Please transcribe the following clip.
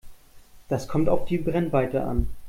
Das kommt auf die Brennweite an.